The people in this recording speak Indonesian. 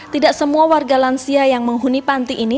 tidak semua warga lansia yang menghuni panti ini